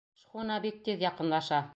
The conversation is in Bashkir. Шхуна бик тиҙ яҡынлаша.